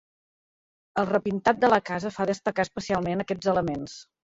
El repintat de la casa fa destacar especialment aquests elements.